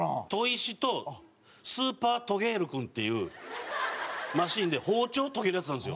砥石とスーパートゲール君っていうマシンで包丁、研げるやつなんですよ。